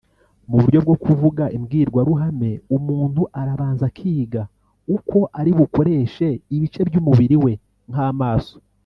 Mu buryo bwo kuvuga imbwirwaruhame umuntu arabanza akiga uko ari bukoreshe ibice by’umubiri we nk’amaso